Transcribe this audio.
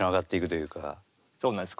そうなんです。